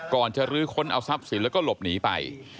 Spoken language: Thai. ก่อนจะลื้อค้นเอาทรัพย์สินแล้วก็หลบหนีไป